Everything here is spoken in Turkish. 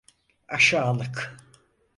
Aşağılık!